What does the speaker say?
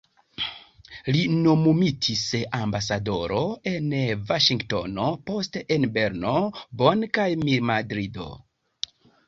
Li nomumitis ambasadoro en Vaŝingtono, poste en Berno, Bonn kaj Madrido.